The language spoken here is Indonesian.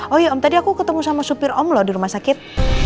oh iya om tadi aku ketemu sama supir om loh di rumah sakit